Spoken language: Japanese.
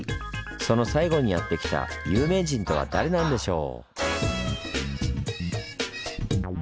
その最後にやって来た有名人とは誰なんでしょう？